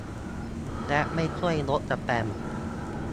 และไม่ช่วยลดสแปม